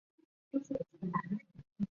阿邦代苏。